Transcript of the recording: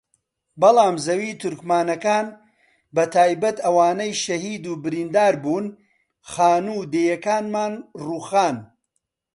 بەڵام زەوی تورکمانەکان بەتایبەت ئەوانەی شەهید و بریندار بوون خانوو و دێیەکانمان رووخان